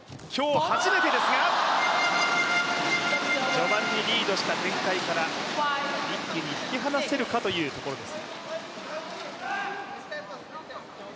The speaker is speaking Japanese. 序盤にリードした展開から一気に引き離せるかというところです。